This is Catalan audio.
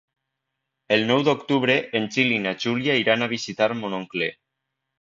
El nou d'octubre en Gil i na Júlia iran a visitar mon oncle.